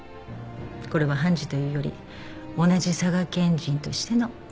これは判事というより同じ佐賀県人としてのアドバイス。